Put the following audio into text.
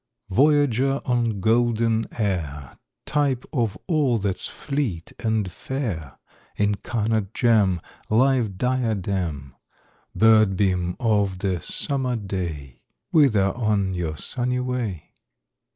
Voyager on golden air, Type of all that's fleet and fair, Incarnate gem, Live diadem Bird beam of the summer day,— Whither on your sunny way?